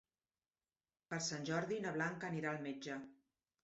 Per Sant Jordi na Blanca anirà al metge.